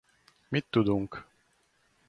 Mit tudunk?